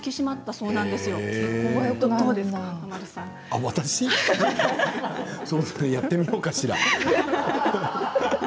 そうですね、やってみようかしら。